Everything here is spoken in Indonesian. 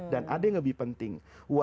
dan ada yang lebih penting